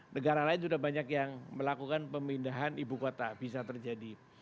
negara lain sudah banyak yang melakukan pemindahan ibu kota bisa terjadi